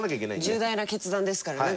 重大な決断ですからね